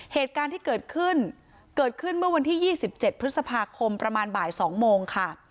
เหตุการณ์ที่เกิดขึ้นเกิดขึ้นเมื่อวันที่๒๗พฤษภาคมประมาณบ่าย๒โมงค่ะ